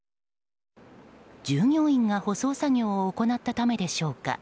従業員が舗装作業を行ったためでしょうか。